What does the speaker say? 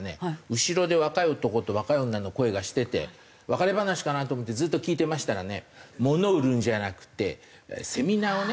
後ろで若い男と若い女の声がしてて別れ話かなと思ってずっと聞いてましたらね物を売るんじゃなくてセミナーをね